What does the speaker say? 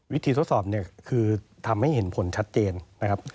วิธีทดสอบคือทำให้เห็นผลชัดเจนนะครับ